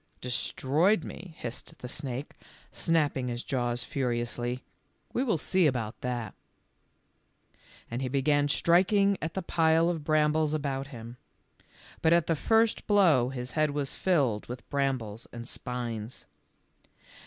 "Destroyed me," hissed the snake, snapping his jaws furiously ; "we will see about that," and he began striking at the pile of brambles about him. But at the first blow his head was filled with brambles and spines.